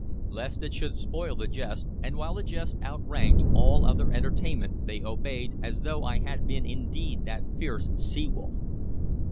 Lest it should spoil the jest, and while the jest outranked all other entertainment, they obeyed as though I had been indeed that fierce sea wolf.